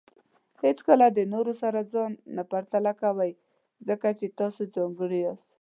هیڅکله د نورو سره ځان نه پرتله کوئ، ځکه چې تاسو ځانګړي یاست.